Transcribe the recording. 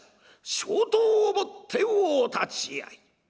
小刀をもってお立ち合い」。